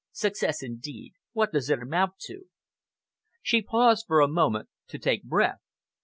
Success, indeed! What does it amount to?" She paused for a moment to take breath.